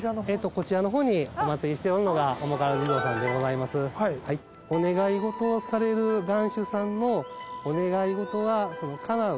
こちらの方におまつりしておるのがおもかる地蔵尊でございますお願い事をされる願主さんのお願い事は叶う